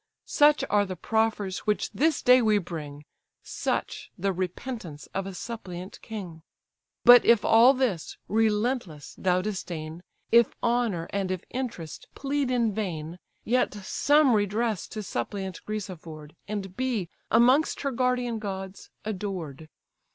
Such are the proffers which this day we bring, Such the repentance of a suppliant king. But if all this, relentless, thou disdain, If honour and if interest plead in vain, Yet some redress to suppliant Greece afford, And be, amongst her guardian gods, adored.